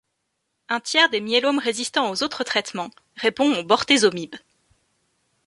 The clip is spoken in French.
Un tiers des myélomes résistant aux autres traitements répond au bortézomib.